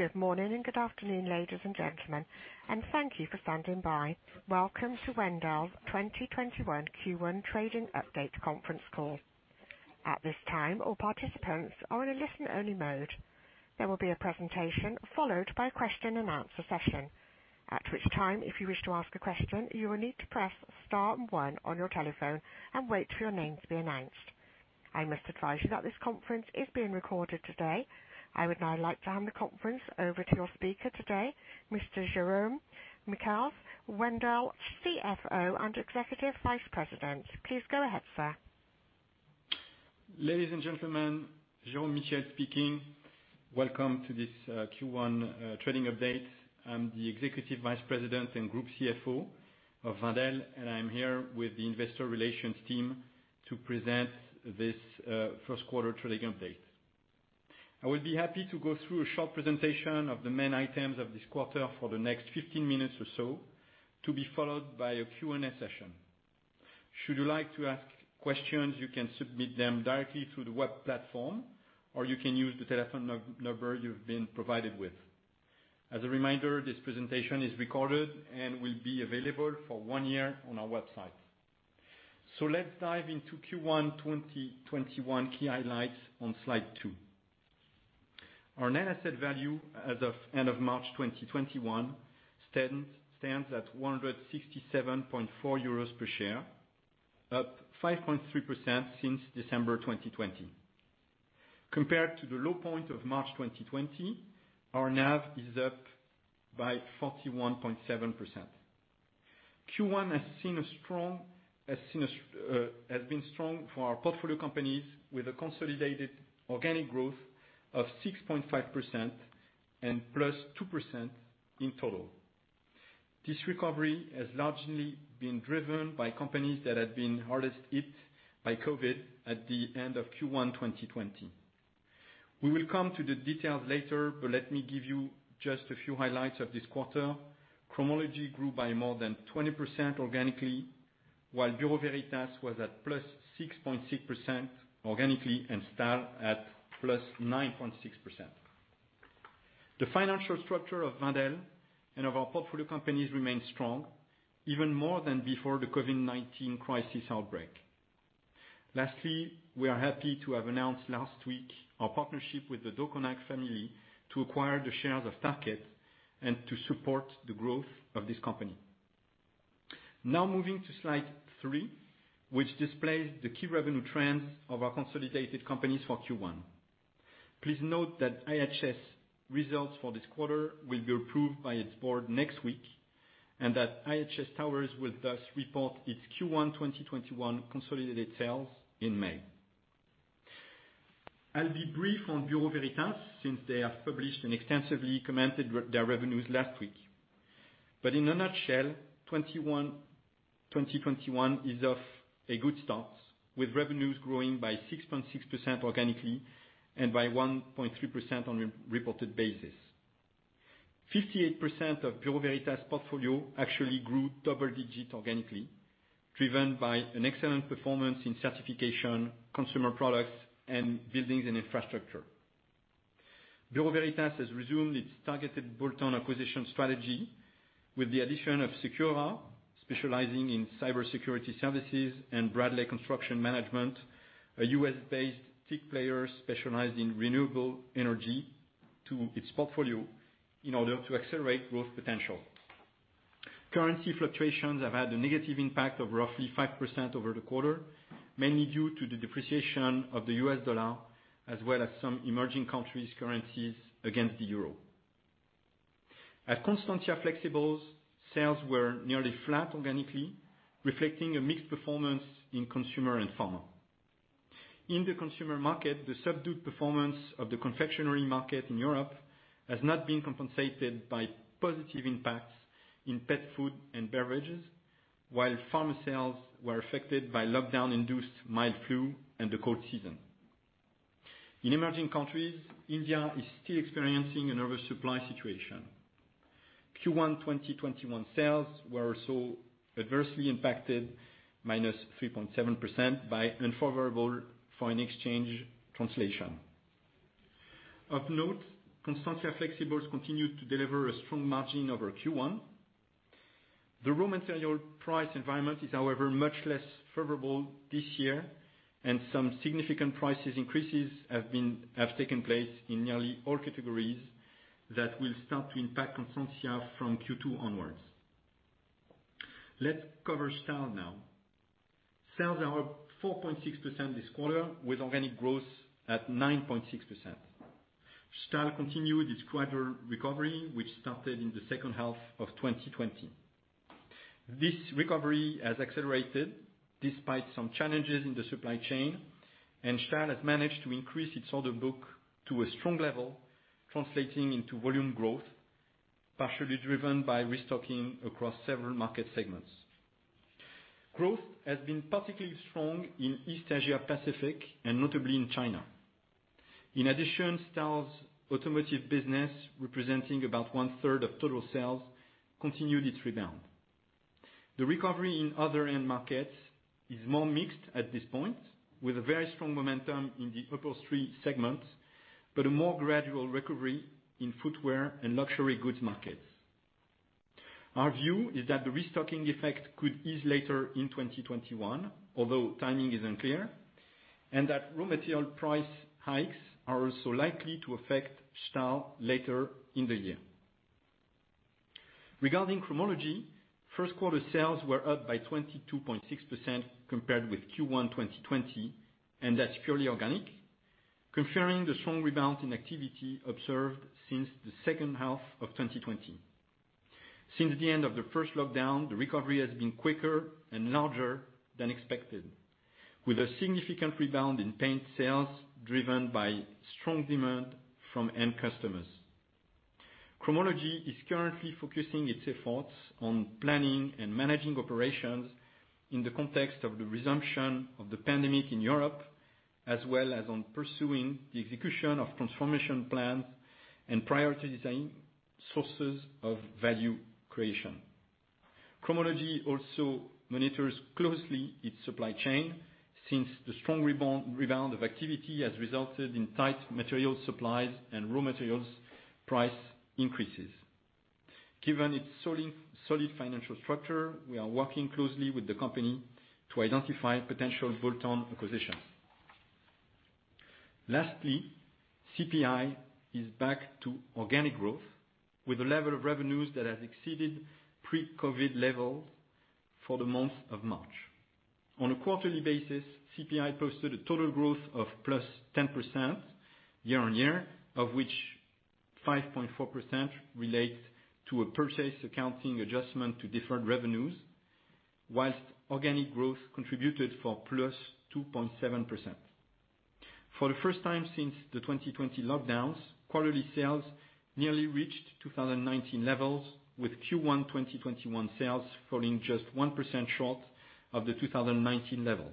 Good morning and good afternoon, ladies and gentlemen, and thank you for standing by. Welcome to Wendel's 2021 Q1 trading update conference call. At this time, all participants are in a listen-only mode. There will be a presentation followed by a question-and-answer session. At which time, if you wish to ask a question, you will need to press star one on your telephone and wait for your name to be announced. I must advise you that this conference is being recorded today. I would now like to hand the conference over to your speaker today, Mr. Jérôme Michiels, Wendel CFO and Executive Vice President. Please go ahead, sir. Ladies and gentlemen, Jérôme Michiels speaking. Welcome to this Q1 trading update. I'm the Executive Vice President and Group CFO of Wendel, and I'm here with the investor relations team to present this first quarter trading update. I will be happy to go through a short presentation of the main items of this quarter for the next 15 minutes or so, to be followed by a Q&A session. Should you like to ask questions, you can submit them directly through the web platform, or you can use the telephone number you've been provided with. As a reminder, this presentation is recorded and will be available for one year on our website. Let's dive into Q1 2021 key highlights on slide two. Our net asset value as of end of March 2021 stands at 167.4 euros per share, up 5.3% since December 2020. Compared to the low point of March 2020, our NAV is up by 41.7%. Q1 has been strong for our portfolio companies, with a consolidated organic growth of 6.5% and +2% in total. This recovery has largely been driven by companies that had been hardest hit by COVID at the end of Q1 2020. We will come to the details later, but let me give you just a few highlights of this quarter. Cromology grew by more than 20% organically, while Bureau Veritas was at +6.6% organically and Stahl at +9.6%. The financial structure of Wendel and of our portfolio companies remains strong, even more than before the COVID-19 crisis outbreak. Lastly, we are happy to have announced last week our partnership with the Deconinck family to acquire the shares of Tarkett and to support the growth of this company. Moving to slide three, which displays the key revenue trends of our consolidated companies for Q1. Please note that IHS results for this quarter will be approved by its board next week, and that IHS Towers will thus report its Q1 2021 consolidated sales in May. I'll be brief on Bureau Veritas since they have published and extensively commented their revenues last week. In a nutshell, 2021 is off a good start, with revenues growing by 6.6% organically and by 1.3% on a reported basis. 58% of Bureau Veritas portfolio actually grew double digit organically, driven by an excellent performance in certification, consumer products, and buildings and infrastructure. Bureau Veritas has resumed its targeted bolt-on acquisition strategy with the addition of Secura, specializing in cybersecurity services and Bradley Construction Management, a U.S.-based tech player specialized in renewable energy to its portfolio in order to accelerate growth potential. Currency fluctuations have had a negative impact of roughly 5% over the quarter, mainly due to the depreciation of the U.S. dollar as well as some emerging countries' currencies against the euro. At Constantia Flexibles, sales were nearly flat organically, reflecting a mixed performance in consumer and pharma. In the consumer market, the subdued performance of the confectionery market in Europe has not been compensated by positive impacts in pet food and beverages, while pharma sales were affected by lockdown-induced mild flu and the cold season. In emerging countries, India is still experiencing an oversupply situation. Q1 2021 sales were also adversely impacted -3.7% by unfavorable foreign exchange translation. Of note, Constantia Flexibles continued to deliver a strong margin over Q1. The raw material price environment is, however, much less favorable this year, and some significant prices increases have taken place in nearly all categories that will start to impact Constantia from Q2 onwards. Let's cover Stahl now. Sales are up 4.6% this quarter, with organic growth at 9.6%. Stahl continued its quarter recovery, which started in the second half of 2020. This recovery has accelerated despite some challenges in the supply chain, and Stahl has managed to increase its order book to a strong level, translating into volume growth, partially driven by restocking across several market segments. Growth has been particularly strong in East Asia Pacific, and notably in China. In addition, Stahl's automotive business, representing about 1/3 of total sales, continued its rebound. The recovery in other end markets is more mixed at this point, with a very strong momentum in the upholstery segment, but a more gradual recovery in footwear and luxury goods markets. Our view is that the restocking effect could ease later in 2021, although timing is unclear, and that raw material price hikes are also likely to affect Stahl later in the year. Regarding Cromology, first quarter sales were up by 22.6% compared with Q1 2020, and that's purely organic, confirming the strong rebound in activity observed since the second half of 2020. Since the end of the first lockdown, the recovery has been quicker and larger than expected, with a significant rebound in paint sales driven by strong demand from end customers. Cromology is currently focusing its efforts on planning and managing operations in the context of the resumption of the pandemic in Europe, as well as on pursuing the execution of transformation plans and prioritizing sources of value creation. Cromology also monitors closely its supply chain since the strong rebound of activity has resulted in tight material supplies and raw materials price increases. Given its solid financial structure, we are working closely with the company to identify potential bolt-on acquisitions. Lastly, CPI is back to organic growth with a level of revenues that has exceeded pre-COVID levels for the month of March. On a quarterly basis, CPI posted a total growth of +10% year-on-year, of which 5.4% relates to a purchase accounting adjustment to deferred revenues, whilst organic growth contributed for +2.7%. For the first time since the 2020 lockdowns, quarterly sales nearly reached 2019 levels, with Q1 2021 sales falling just 1% short of the 2019 level.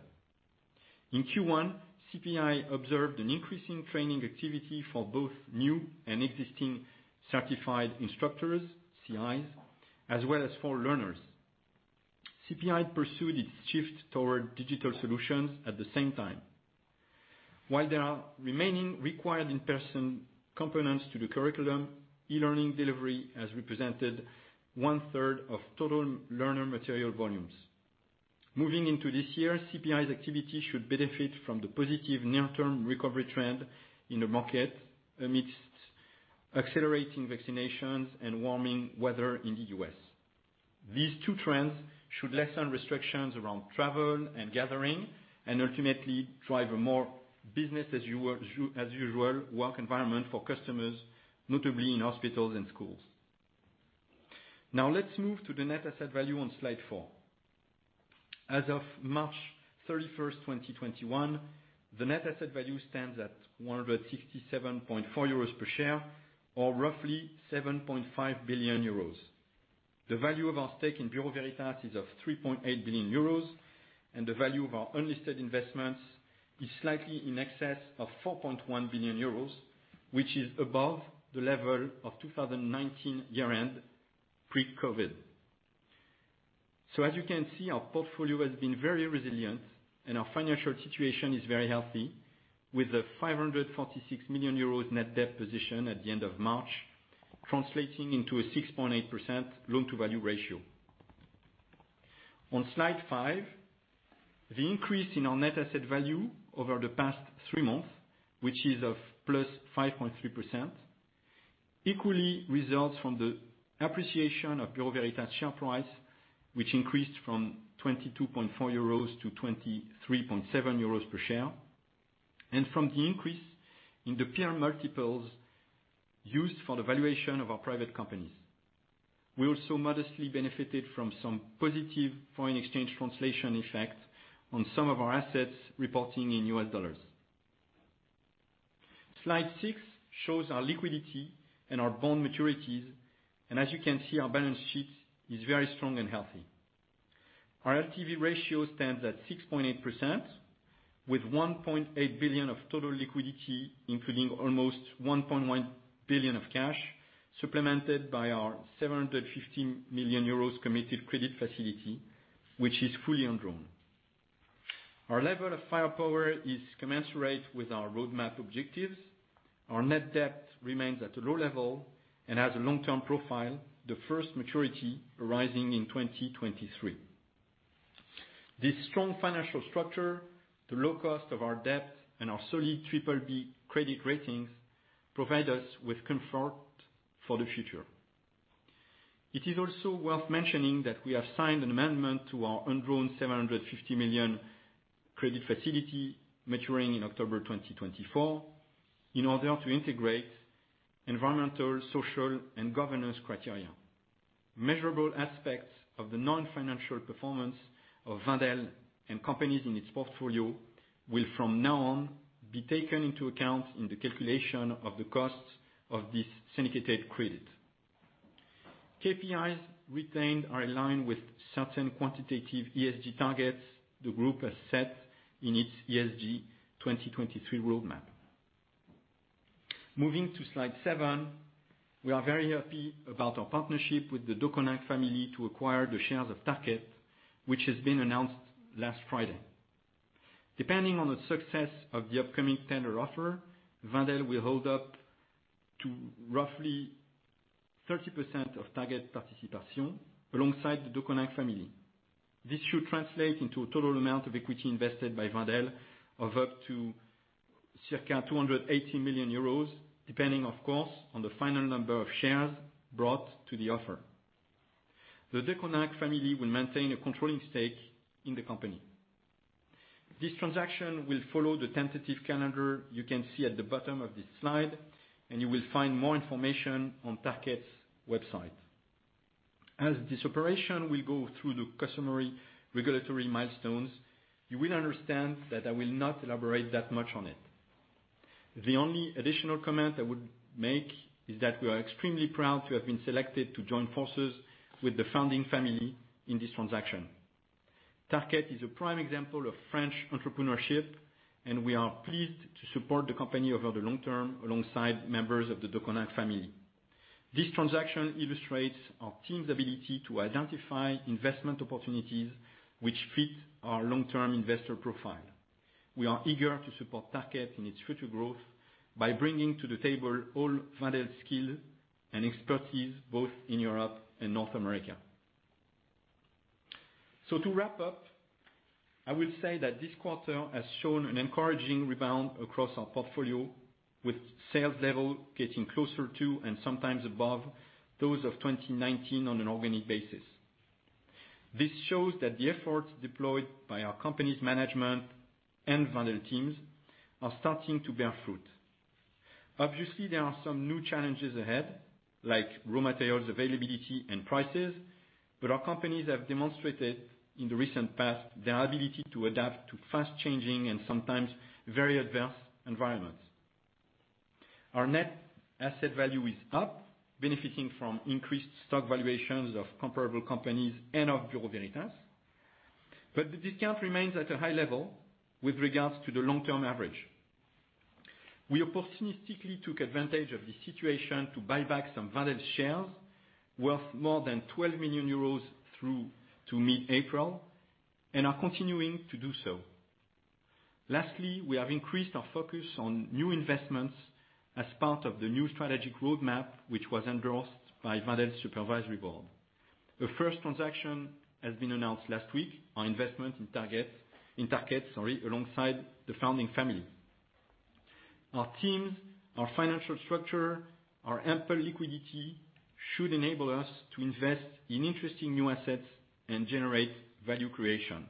In Q1, CPI observed an increase in training activity for both new and existing certified instructors, CIs, as well as for learners. CPI pursued its shift toward digital solutions at the same time. While there are remaining required in-person components to the curriculum, e-learning delivery has represented 1/3 of total learner material volumes. Moving into this year, CPI's activity should benefit from the positive near-term recovery trend in the market amidst accelerating vaccinations and warming weather in the U.S. These two trends should lessen restrictions around travel and gathering and ultimately drive a more business as usual work environment for customers, notably in hospitals and schools. Now let's move to the net asset value on slide four. As of March 31st, 2021, the net asset value stands at 167.4 euros per share, or roughly 7.5 billion euros. The value of our stake in Bureau Veritas is of 3.8 billion euros, and the value of our unlisted investments is slightly in excess of 4.1 billion euros, which is above the level of 2019 year-end pre-COVID. As you can see, our portfolio has been very resilient, and our financial situation is very healthy, with a 546 million euros net debt position at the end of March, translating into a 6.8% loan-to-value ratio. On slide five, the increase in our net asset value over the past three months, which is of +5.3%, equally results from the appreciation of Bureau Veritas share price, which increased from 22.4 euros to 23.7 euros per share, and from the increase in the peer multiples used for the valuation of our private companies. We also modestly benefited from some positive foreign exchange translation effects on some of our assets reporting in U.S. dollars. Slide six shows our liquidity and our bond maturities, and as you can see, our balance sheet is very strong and healthy. Our LTV ratio stands at 6.8%, with 1.8 billion of total liquidity, including almost 1.1 billion of cash, supplemented by our 750 million euros committed credit facility, which is fully undrawn. Our level of firepower is commensurate with our roadmap objectives. Our net debt remains at a low level and has a long-term profile, the first maturity arising in 2023. This strong financial structure, the low cost of our debt, and our solid BBB credit ratings provide us with comfort for the future. It is also worth mentioning that we have signed an amendment to our undrawn 750 million credit facility maturing in October 2024 in order to integrate environmental, social, and governance criteria. Measurable aspects of the non-financial performance of Wendel and companies in its portfolio will from now on be taken into account in the calculation of the costs of this syndicated credit. KPIs retained are aligned with certain quantitative ESG targets the group has set in its ESG 2023 roadmap. Moving to slide seven. We are very happy about our partnership with the Deconinck family to acquire the shares of Tarkett, which has been announced last Friday. Depending on the success of the upcoming tender offer, Wendel will hold up to roughly 30% of Tarkett Participation alongside the Deconinck family. This should translate into a total amount of equity invested by Wendel of up to circa 280 million euros, depending, of course, on the final number of shares brought to the offer. The Deconinck family will maintain a controlling stake in the company. This transaction will follow the tentative calendar you can see at the bottom of this slide, and you will find more information on Tarkett's website. As this operation will go through the customary regulatory milestones, you will understand that I will not elaborate that much on it. The only additional comment I would make is that we are extremely proud to have been selected to join forces with the founding family in this transaction. Tarkett is a prime example of French entrepreneurship, and we are pleased to support the company over the long term alongside members of the Deconinck family. This transaction illustrates our team's ability to identify investment opportunities which fit our long-term investor profile. We are eager to support Tarkett in its future growth by bringing to the table all value, skill, and expertise both in Europe and North America. To wrap up, I would say that this quarter has shown an encouraging rebound across our portfolio, with sales level getting closer to and sometimes above those of 2019 on an organic basis. This shows that the efforts deployed by our company's management and Wendel teams are starting to bear fruit. Obviously, there are some new challenges ahead, like raw materials availability, and prices, but our companies have demonstrated in the recent past their ability to adapt to fast-changing and sometimes very adverse environments. Our net asset value is up, benefiting from increased stock valuations of comparable companies and of Bureau Veritas. The discount remains at a high level with regards to the long-term average. We opportunistically took advantage of the situation to buy back some Wendel shares worth more than 12 million euros through to mid-April and are continuing to do so. Lastly, we have increased our focus on new investments as part of the new strategic roadmap, which was endorsed by Wendel's Supervisory Board. The first transaction has been announced last week, our investment in Tarkett, alongside the founding family. Our teams, our financial structure, our ample liquidity should enable us to invest in interesting new assets and generate value creation.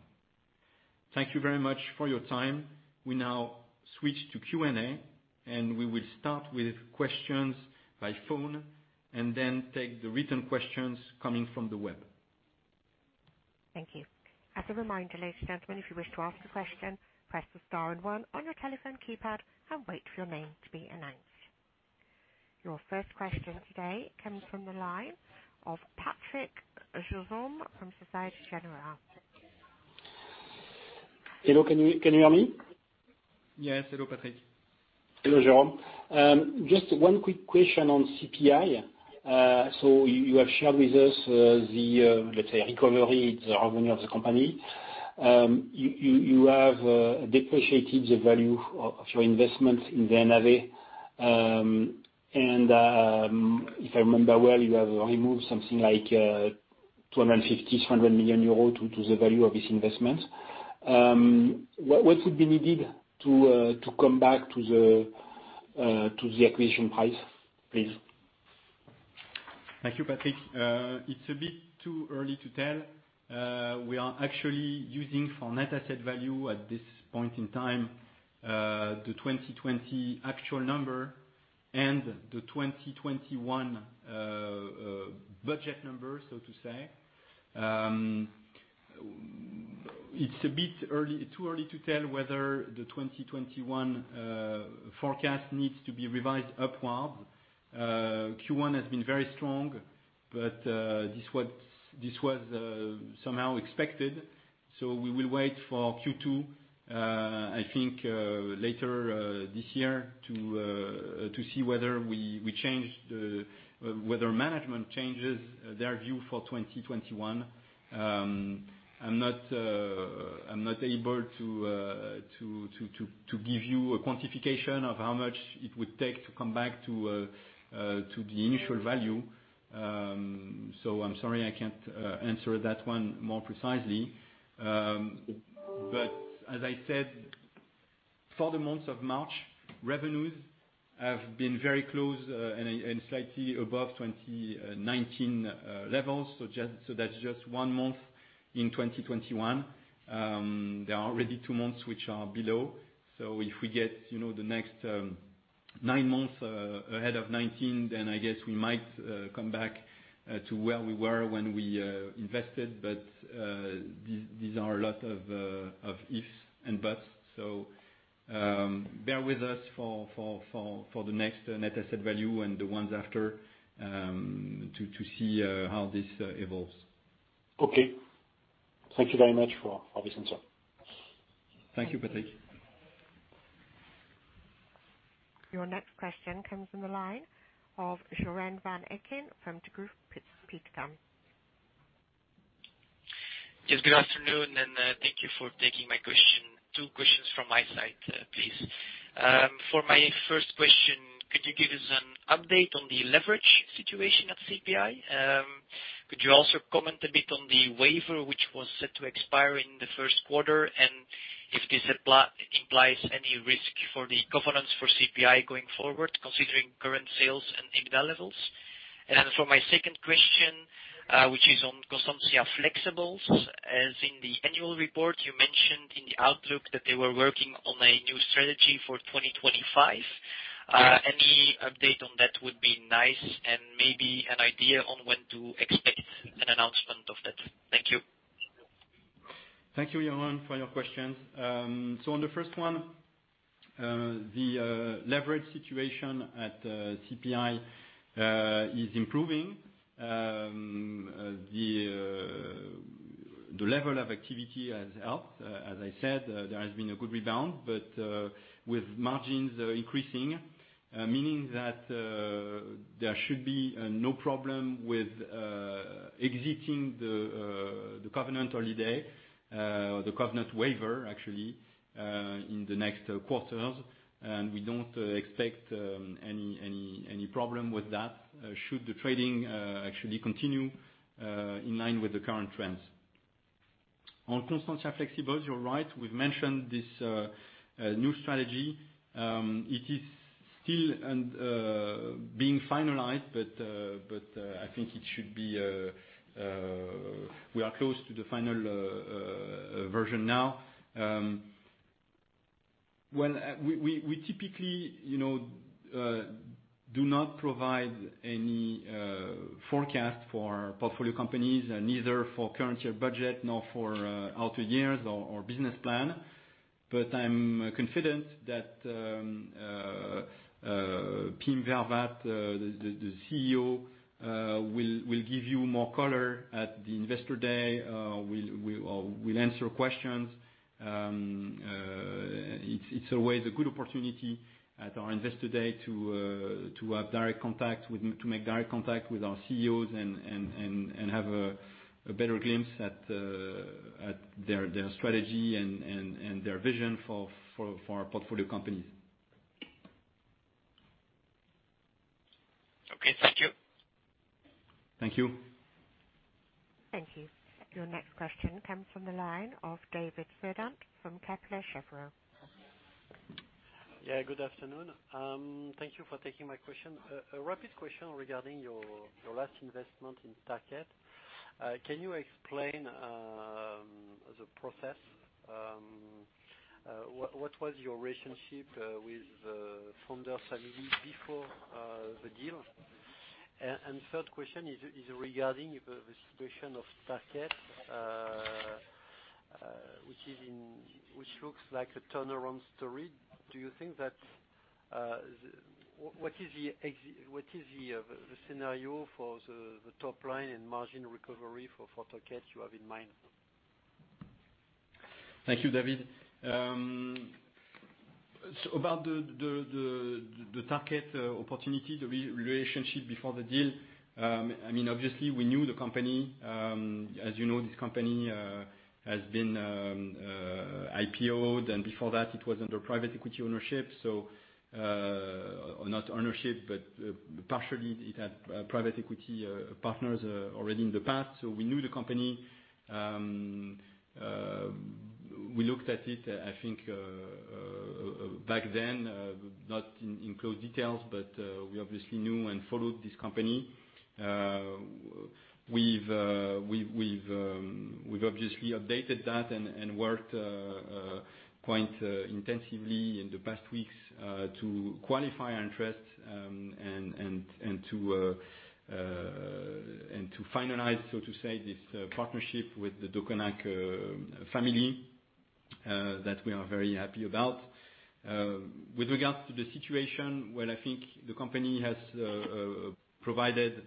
Thank you very much for your time. We now switch to Q&A, and we will start with questions by phone and then take the written questions coming from the web. Thank you. As a reminder, ladies and gentlemen, if you wish to ask a question, press the star and one on your telephone keypad and wait for your name to be announced. Your first question today comes from the line of Patrick Jousseaume from Société Générale. Hello, can you hear me? Yes. Hello, Patrick. Hello, Jérôme. Just one quick question on CPI. You have shared with us the, let's say, recovery, the revenue of the company. You have depreciated the value of your investment in the NAV. If I remember well, you have removed something like 250 million-200 million euros to the value of this investment. What would be needed to come back to the acquisition price, please? Thank you, Patrick. It's a bit too early to tell. We are actually using for net asset value at this point in time, the 2020 actual number and the 2021 budget number, so to say. It's a bit too early to tell whether the 2021 forecast needs to be revised upward. Q1 has been very strong, but this was somehow expected. We will wait for Q2, I think, later this year to see whether management changes their view for 2021. I'm not able to give you a quantification of how much it would take to come back to the initial value. I'm sorry I can't answer that one more precisely. As I said, for the months of March, revenues have been very close and slightly above 2019 levels. That's just one month in 2021. There are already two months which are below. If we get the next nine months ahead of 2019, then I guess we might come back to where we were when we invested. These are a lot of ifs and buts. Bear with us for the next net asset value and the ones after to see how this evolves. Okay. Thank you very much for this answer. Thank you, Patrick. Your next question comes from the line of Joren Van Aken from Degroof Petercam. Yes. Good afternoon, and thank you for taking my question. Two questions from my side, please. For my first question, could you give us an update on the leverage situation at CPI? Could you also comment a bit on the waiver, which was set to expire in the first quarter, and if this implies any risk for the governance for CPI going forward, considering current sales and EBITDA levels? For my second question, which is on Constantia Flexibles. As in the annual report you mentioned in the outlook that they were working on a new strategy for 2025. Any update on that would be nice and maybe an idea on when to expect an announcement of that. Thank you. Thank you, Joren, for your questions. On the first one, the leverage situation at CPI is improving. The level of activity has helped. As I said, there has been a good rebound, but with margins increasing, meaning that there should be no problem with exiting the covenant holiday, the covenant waiver actually, in the next quarters. We don't expect any problem with that should the trading actually continue in line with the current trends. On Constantia Flexibles, you're right, we've mentioned this new strategy. It is still being finalized, but I think we are close to the final version now. We typically do not provide any forecast for our portfolio companies, neither for current year budget nor for out-years or business plan. I'm confident that Pim Vervaat, the CEO, will give you more color at the investor day. We'll answer questions. It's always a good opportunity at our investor day to make direct contact with our CEOs and have a better glimpse at their strategy and their vision for our portfolio companies. Okay, thank you. Thank you. Thank you. Your next question comes from the line of David Cerdan from Kepler Cheuvreux. Yeah, good afternoon. Thank you for taking my question. A rapid question regarding your last investment in Tarkett. Can you explain the process? What was your relationship with the founder family before the deal? Third question is regarding the situation of Tarkett, which looks like a turnaround story. What is the scenario for the top line and margin recovery for Tarkett you have in mind? Thank you, David. About the Tarkett opportunity, the relationship before the deal, obviously we knew the company. As you know, this company has been IPO'd, and before that it was under private equity ownership. Not ownership, but partially it had private equity partners already in the past. We knew the company. We looked at it, I think, back then, not in close detail, but we obviously knew and followed this company. We've obviously updated that and worked quite intensively in the past weeks to qualify our interest and to finalize, so to say, this partnership with the Deconinck family, that we are very happy about. With regards to the situation, I think the company has provided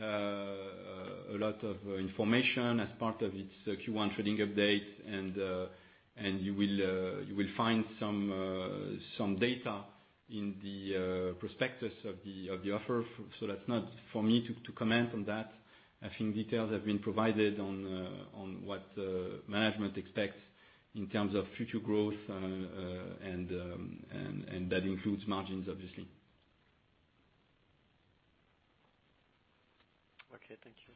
a lot of information as part of its Q1 trading update, and you will find some data in the prospectus of the offer. That's not for me to comment on that. I think details have been provided on what management expects in terms of future growth, and that includes margins, obviously. Okay. Thank you.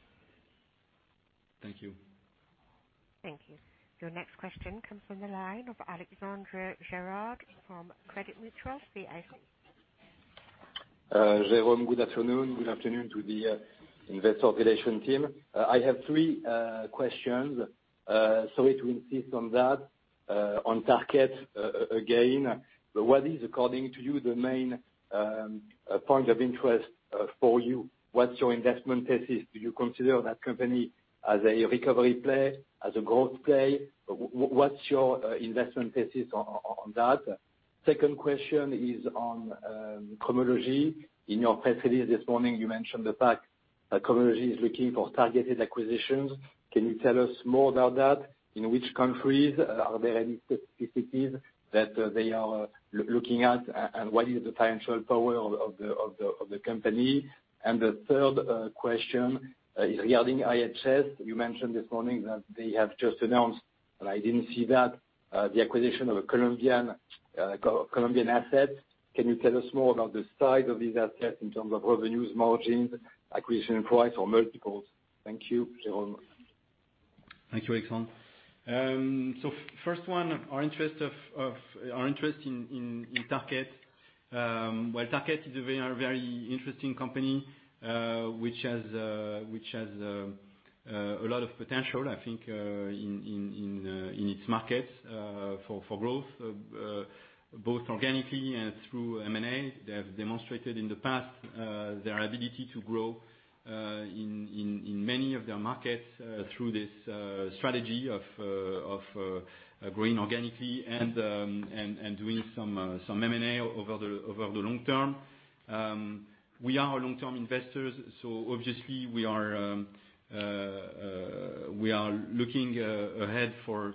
Thank you. Thank you. Your next question comes from the line of Alexandre Gérard from Crédit Mutuel CIC. Jérôme, good afternoon. Good afternoon to the Investor Relations team. I have three questions. Sorry to insist on that. On Tarkett, again, what is according to you the main point of interest for you? What's your investment thesis? Do you consider that company as a recovery play, as a growth play? What's your investment thesis on that? Second question is on Cromology. In your press release this morning, you mentioned Cromology is looking for targeted acquisitions. Can you tell us more about that? In which countries are there any specificities that they are looking at, what is the financial power of the company? The third question is regarding IHS. You mentioned this morning that they have just announced, and I didn't see that, the acquisition of a Colombian asset. Can you tell us more about the size of this asset in terms of revenues, margins, acquisition price, or multiples? Thank you, Jérôme. Thank you, Alexandre. First one, our interest in Tarkett. Well, Tarkett is a very interesting company, which has a lot of potential, I think, in its markets, for growth, both organically and through M&A. They have demonstrated in the past, their ability to grow in many of their markets through this strategy of growing organically and doing some M&A over the long term. We are long-term investors, so obviously we are looking ahead for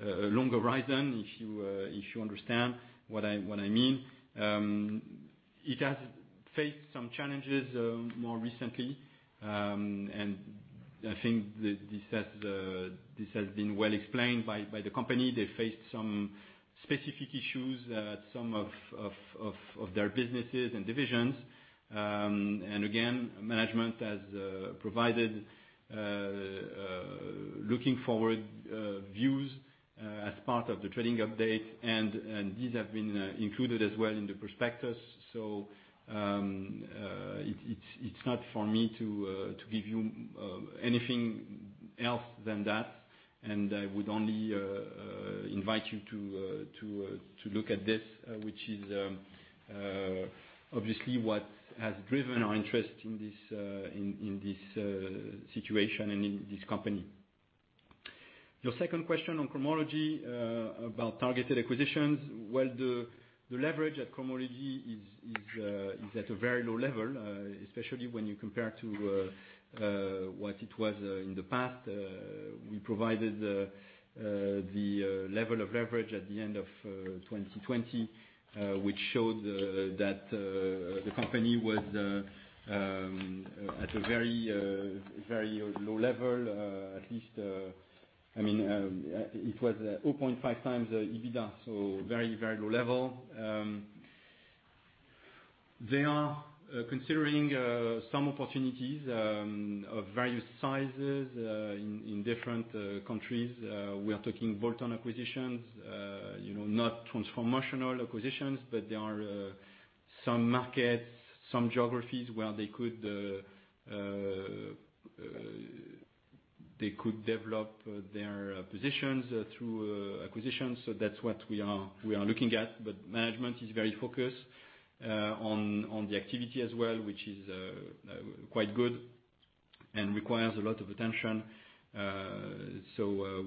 a long horizon, if you understand what I mean. It has faced some challenges more recently, and I think this has been well explained by the company. They faced some specific issues at some of their businesses and divisions. Again, management has provided looking forward views as part of the trading update, and these have been included as well in the prospectus. It's not for me to give you anything else than that. I would only invite you to look at this, which is obviously what has driven our interest in this situation and in this company. Your second question on Cromology, about targeted acquisitions. Well, the leverage at Cromology is at a very low level, especially when you compare to what it was in the past. We provided the level of leverage at the end of 2020, which showed that the company was at a very low level. It was 0.5x the EBITDA, so very low level. They are considering some opportunities of various sizes in different countries. We are talking bolt-on acquisitions, not transformational acquisitions, but there are some markets, some geographies where they could develop their positions through acquisitions. That's what we are looking at. Management is very focused on the activity as well, which is quite good and requires a lot of attention.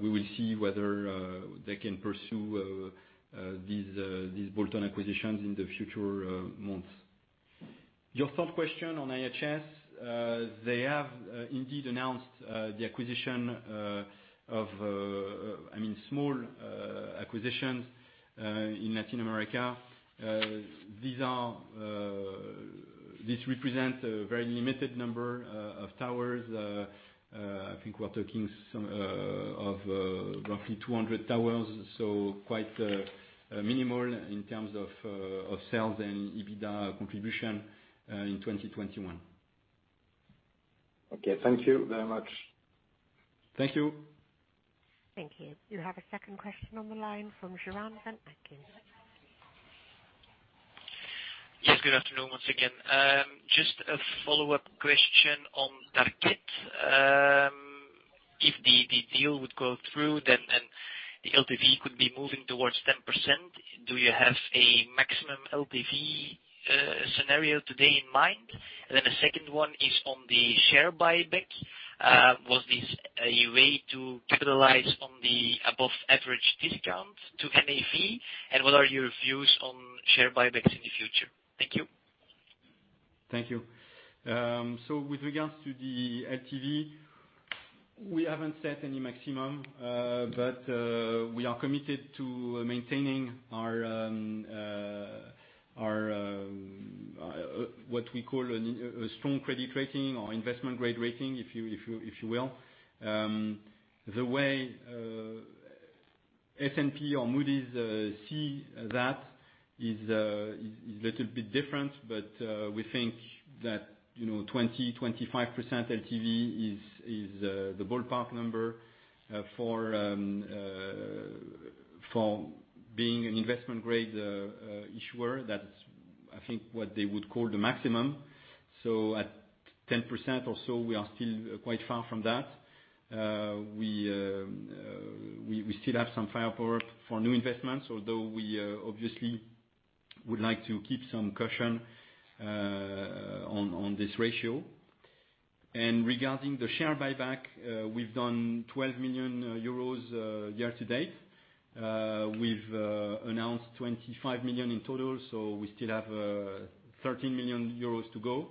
We will see whether they can pursue these bolt-on acquisitions in the future months. Your third question on IHS, they have indeed announced small acquisitions in Latin America. This represents a very limited number of towers. I think we're talking of roughly 200 towers, so quite minimal in terms of sales and EBITDA contribution in 2021. Okay. Thank you very much. Thank you. Thank you. You have a second question on the line from Joren Van Aken. Yes, good afternoon once again. Just a follow-up question on Tarkett. If the deal would go through, then the LTV could be moving towards 10%. Do you have a maximum LTV scenario today in mind? A second one is on the share buyback. Was this a way to capitalize on the above average discount to NAV, and what are your views on share buybacks in the future? Thank you. Thank you. With regards to the LTV, we haven't set any maximum, but we are committed to maintaining what we call a strong credit rating or investment-grade rating, if you will. The way S&P or Moody's see that is a little bit different. We think that 20%-25% LTV is the ballpark number for being an investment-grade issuer. That's, I think, what they would call the maximum. At 10% or so, we are still quite far from that. We still have some firepower for new investments, although we obviously would like to keep some cushion on this ratio. Regarding the share buyback, we've done 12 million euros year to date. We've announced 25 million in total, so we still have 13 million euros to go.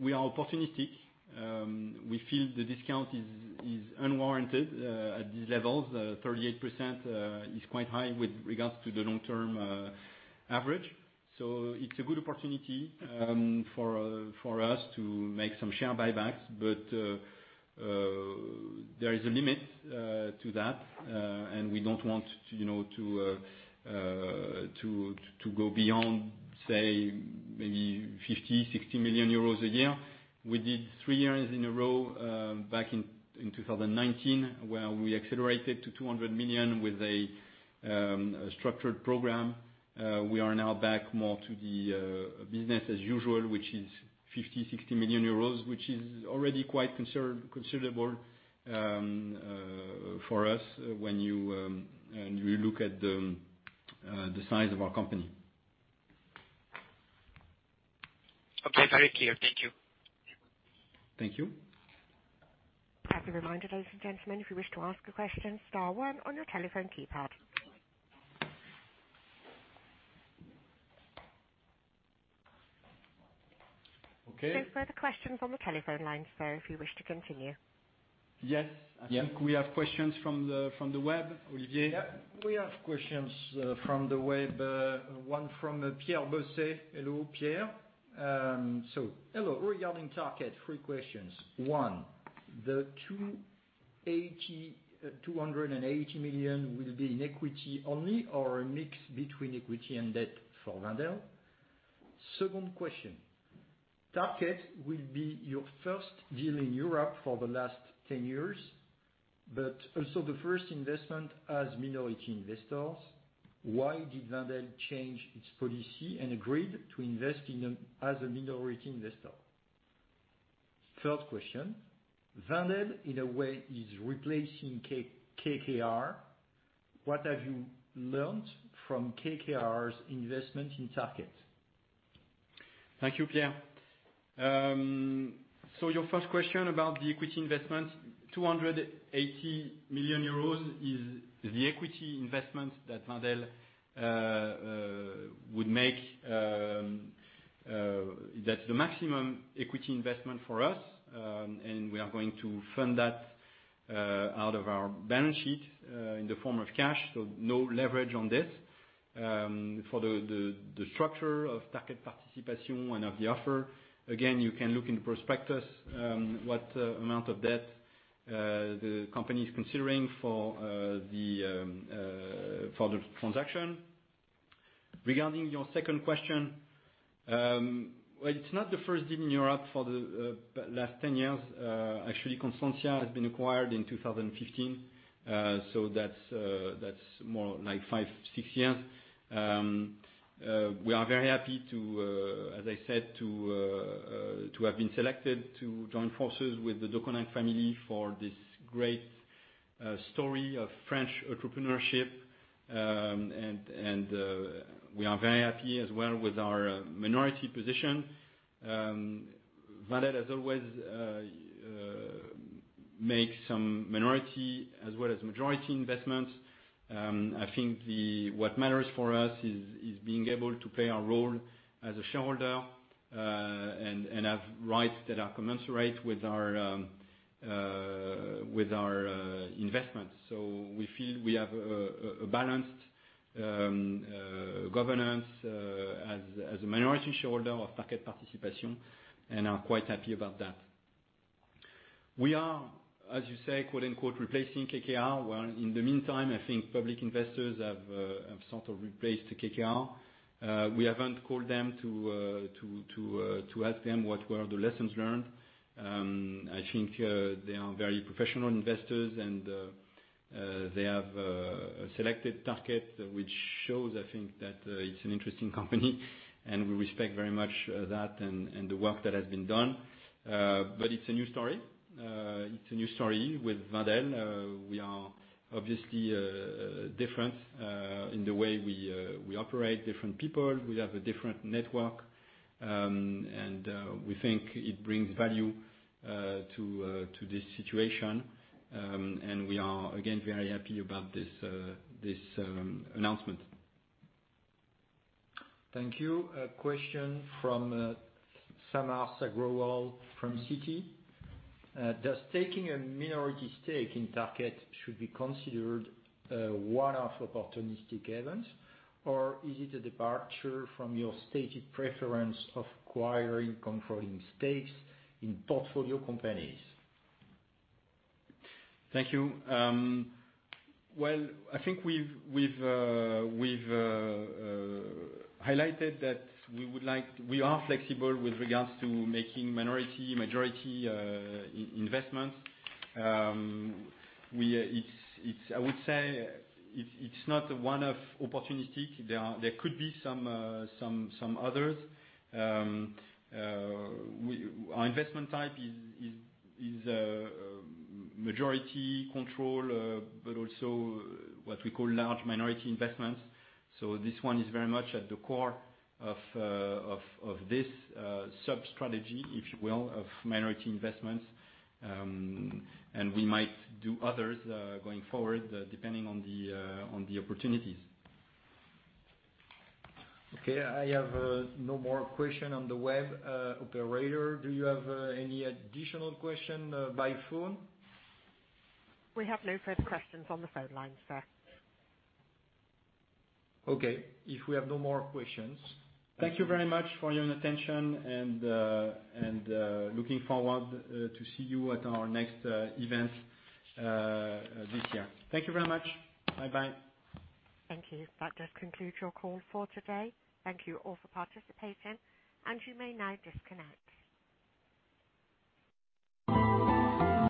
We are opportunistic. We feel the discount is unwarranted at these levels. 38% is quite high with regards to the long-term average. It's a good opportunity for us to make some share buybacks, but there is a limit to that, and we don't want to go beyond, say, maybe 50 million, 60 million euros a year. We did three years in a row, back in 2019, where we accelerated to 200 million with a structured program. We are now back more to the business as usual, which is 50 million euros, 60 million euros, which is already quite considerable for us when you look at the size of our company. Okay, very clear. Thank you. Thank you. A reminder, ladies and gentlemen, if you wish to ask a question, star one on your telephone keypad. Okay. No further questions on the telephone line, sir, if you wish to continue. Yes. Yeah. I think we have questions from the web. Olivier? Yeah. We have questions from the web. One from Pierre Bosset. Hello, Pierre. Hello, regarding Tarkett, three questions. One, the 280 million will be in equity only or a mix between equity and debt for Wendel? Second question, Tarkett will be your first deal in Europe for the last 10 years, but also the first investment as minority investors. Why did Wendel change its policy and agreed to invest as a minority investor? Third question, Wendel, in a way, is replacing KKR. What have you learnt from KKR's investment in Tarkett? Thank you, Pierre. Your first question about the equity investment, 280 million euros is the equity investment that Wendel would make. That's the maximum equity investment for us, and we are going to fund that out of our balance sheet, in the form of cash, so no leverage on this. For the structure of Tarkett Participation and of the offer, again, you can look in the prospectus what amount of debt the company is considering for the transaction. Regarding your second question, well, it's not the first deal in Europe for the last 10 years. Actually, Constantia has been acquired in 2015, so that's more like five, six years. We are very happy, as I said, to have been selected to join forces with the Deconinck family for this great story of French entrepreneurship, and we are very happy as well with our minority position. Wendel, as always, makes some minority as well as majority investments. I think what matters for us is being able to play our role as a shareholder, and have rights that are commensurate with our investment. We feel we have a balanced governance as a minority shareholder of Tarkett Participation, and are quite happy about that. We are, as you say, "replacing KKR." In the meantime, I think public investors have sort of replaced KKR. We haven't called them to ask them what were the lessons learned. I think they are very professional investors and they have selected Tarkett, which shows, I think, that it's an interesting company and we respect very much that and the work that has been done. It's a new story. It's a new story with Wendel. We are obviously different in the way we operate, different people. We have a different network, and we think it brings value to this situation. We are, again, very happy about this announcement. Thank you. A question from Samarth Agrawal from Citi. Does taking a minority stake in Tarkett should be considered one-off opportunistic events, or is it a departure from your stated preference of acquiring controlling stakes in portfolio companies? Thank you. Well, I think we've highlighted that we are flexible with regards to making minority, majority investments. I would say it's not one-off opportunistic. There could be some others. Our investment type is a majority control, but also what we call large minority investments. This one is very much at the core of this sub-strategy, if you will, of minority investments, and we might do others going forward, depending on the opportunities. Okay. I have no more question on the web. Operator, do you have any additional question by phone? We have no further questions on the phone line, sir. Okay. If we have no more questions. Thank you very much for your attention, and looking forward to see you at our next event this year. Thank you very much. Bye-bye. Thank you. That does conclude your call for today. Thank you all for participating. You may now disconnect.